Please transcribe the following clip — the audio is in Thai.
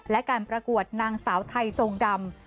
และการประกวดนางสาวไทยทรงดำ